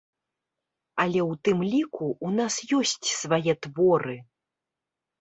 Але ў тым ліку, у нас ёсць свае творы!